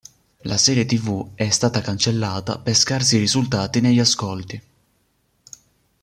La serie tv è stata cancellata per scarsi risultati negli ascolti.